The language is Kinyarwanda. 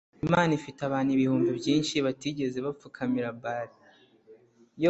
Imana ifite abantu ibihumbi byinshi batigeze bapfukamira Bali